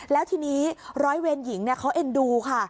แล้วทีนี้ร้อยเวรหญิงเขาเอ็นดูค่ะ